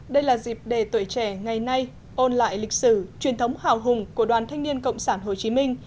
đây là dịp để tuổi trẻ ngày nay ôn lại lịch sử truyền thống hào hùng của đoàn thanh niên cộng sản hồ chí minh